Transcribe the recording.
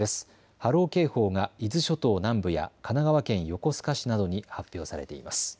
波浪警報が伊豆諸島南部や神奈川県横須賀市などに発表されています。